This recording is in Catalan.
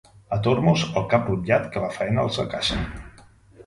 A Tormos, el cap rotllat, que la faena els acaça.